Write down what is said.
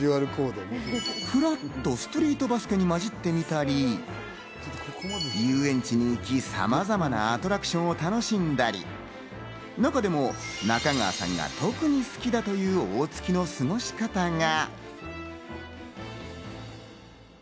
ふらっとストリートバスケにまじってみたり、遊園地に行き、さまざまなアトラクションを楽しんだり、中でも中川さんが特に好きだという大槻の過ごし方が。